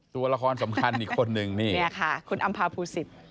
ตัวละครสำคัญอีกคนนึงคุณอำภาภูศิษย์